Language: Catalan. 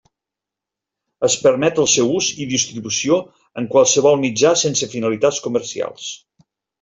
Es permet el seu ús i distribució en qualsevol mitjà sense finalitats comercials.